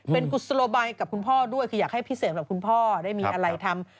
เป็นกุศโลบายกับคุณพ่อด้วยคืออยากให้พี่เสกกับคุณพ่อได้มีอะไรทำ